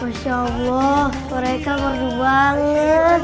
masya allah mereka ngerti banget